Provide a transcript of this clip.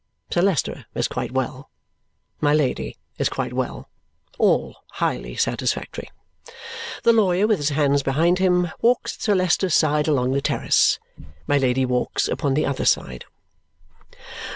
Sir Leicester is quite well. My Lady is quite well. All highly satisfactory. The lawyer, with his hands behind him, walks at Sir Leicester's side along the terrace. My Lady walks upon the other side.